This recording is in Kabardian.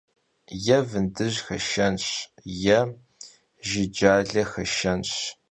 Yê vındıj xeşşenş, yê jucale xeşşenş.